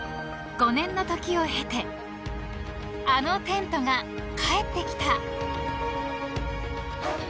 ［５年の時を経てあのテントがかえってきた］